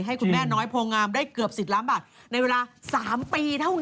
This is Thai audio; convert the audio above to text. ให้คุณแม่น้อยโพงามได้เกือบ๑๐ล้านบาทในเวลา๓ปีเท่านั้น